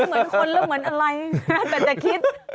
ไม่เหมือนคนแล้วเหมือนอะไรแบบจะคิด